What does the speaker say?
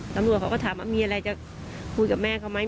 กับกรรมรายภาพพบันธ์ฯเขาก็ถามอะไรจะพูดกับแม่เขาไหม